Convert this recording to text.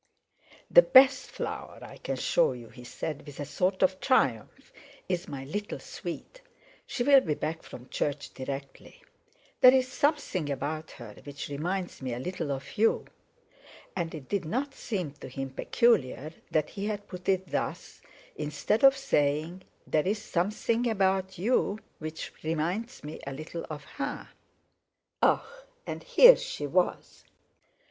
"The best flower I can show you," he said, with a sort of triumph, "is my little sweet. She'll be back from Church directly. There's something about her which reminds me a little of you," and it did not seem to him peculiar that he had put it thus, instead of saying: "There's something about you which reminds me a little of her." Ah! And here she was!